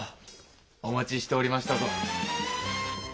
お待ちしておりましたぞ。